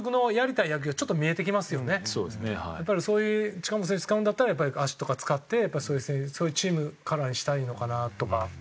近本選手使うんだったらやっぱり足とか使ってやっぱりそういうチームカラーにしたいのかなとか。